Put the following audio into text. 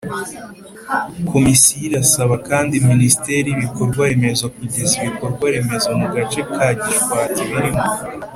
Komisiyo irasaba kandi Minisiteri y Ibikorwa remezo kugeza ibikorwa Remezo mu gace ka gishwati birimo